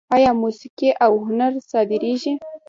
آیا موسیقي او هنر صادریږي؟